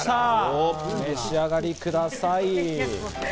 お召し上がりください。